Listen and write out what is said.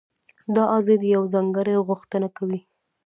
دا ازادي یوه ځانګړې غوښتنه کوي.